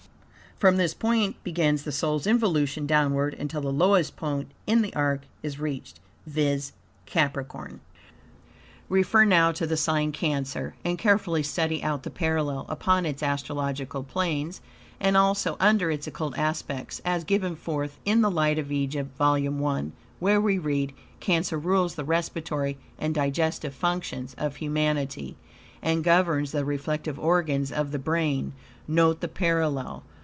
From this point begins the soul's involution downward, until the lowest point in the arc is reached, viz., Capricorn. Refer now to the sign Cancer, and carefully study out the parallel upon its astrological planes and also under its Occult aspects, as given forth in the "Light of Egypt," Vol. I, where we read: "Cancer rules the respiratory and digestive functions of humanity, and governs the reflective organs of the brain." Note the parallel.